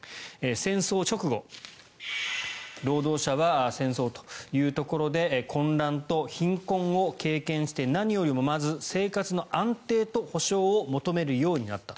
戦争直後労働者は戦争というところで混乱と貧困を経験して何よりもまず生活の安定と保障を求めるようになった。